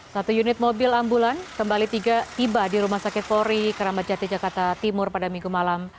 satu unit mobil ambulan kembali tiba di rumah sakit polri keramat jati jakarta timur pada minggu malam